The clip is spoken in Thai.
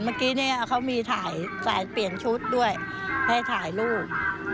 เมื่อกี้เนี่ยเขามีถ่ายเปลี่ยนชุดด้วยให้ถ่ายรูป